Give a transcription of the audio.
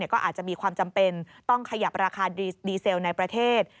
ก็อาจจะมีความจำเป็นต้องขยับราคาดีเซลในประเทศ